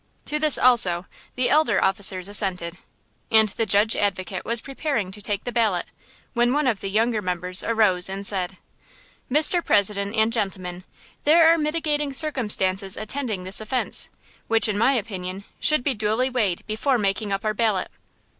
To this, also, the elder officers assented. And the Judge Advocate was preparing to take the ballot, when one of the younger members arose and said: "Mr. President and gentlemen, there are mitigating circumstances attending this offence, which, in my opinion, should be duly weighed before making up our ballot."